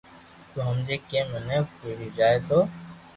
تو ھمجي ڪي منين پڙي جائي تو